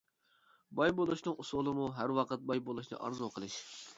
باي بولۇشنىڭ ئۇسۇلىمۇ، ھەر ۋاقىت باي بولۇشنى ئارزۇ قىلىش.